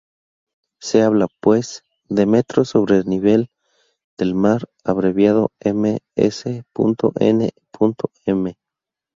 Se habla, pues, de metros sobre el nivel del mar, abreviado ms.n.m.